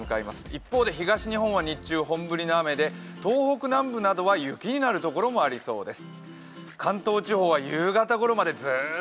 一方で東日本は日中、本降りの雨で東北南部などは雪になるところもありそうです。